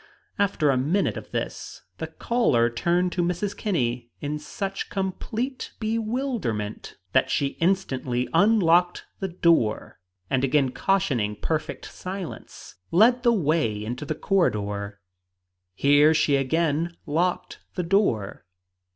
After a minute of this the caller turned upon Mrs. Kinney in such complete bewilderment that she instantly unlocked the door, and again cautioning perfect silence, led the way into the corridor. Here she again locked the door.